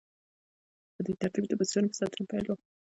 په دې ترتیب یې د پسونو په ساتنه پیل وکړ